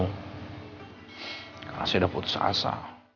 tapi kamu kalau saya sudah putus asa